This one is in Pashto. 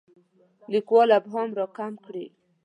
لیکوال ابهام راکم کړي.